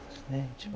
一番。